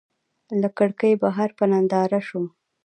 له کړکۍ بهر په ننداره شوم.